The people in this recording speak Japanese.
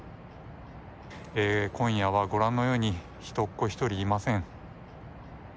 今夜はご覧のように人っ子１人いません。